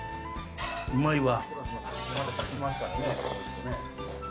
うまいわ。